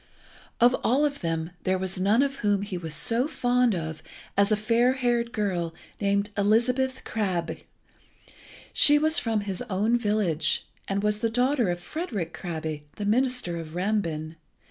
Of all of them there was none of whom he was so fond as of a fair haired girl named Elizabeth Krabbe. She was from his own village, and was the daughter of Frederick Krabbe, the minister of Rambin.